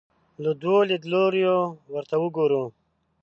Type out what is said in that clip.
له دوو لیدلوریو ورته وګورو